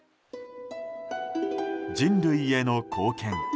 人類への貢献。